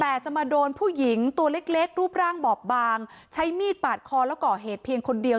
แต่จะมาโดนผู้หญิงตัวเล็กรูปร่างบอบบางใช้มีดปาดคอแล้วก่อเหตุเพียงคนเดียว